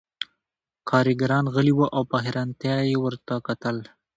کارګران غلي وو او په حیرانتیا یې ورته کتل